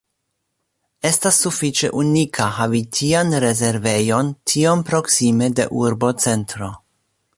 Estas sufiĉe unika havi tian rezervejon tiom proksime de urbocentro.